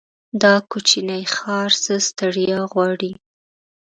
دا کوچينی ښار څه ستړيا غواړي.